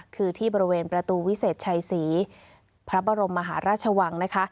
คือที่บริเวณประตูวิเศษชัยศรีพระบรมมหาราชวังนะคะ